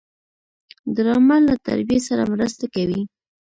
ډرامه له تربیې سره مرسته کوي